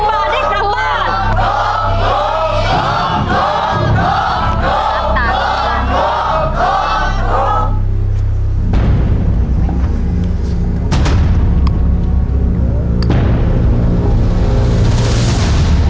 ถูก